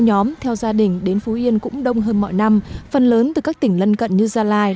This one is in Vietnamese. nhóm theo gia đình đến phú yên cũng đông hơn mọi năm phần lớn từ các tỉnh lân cận như gia lai